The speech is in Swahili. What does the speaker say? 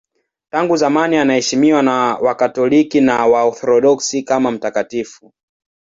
Tangu zamani anaheshimiwa na Wakatoliki na Waorthodoksi kama mtakatifu.